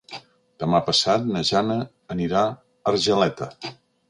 Demà passat na Jana anirà a Argeleta.